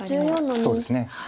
そうですね。